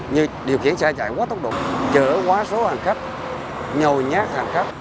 như điều khiển xe chạy quá tốc độ chở quá số hàng khách nhồi nhát hàng khách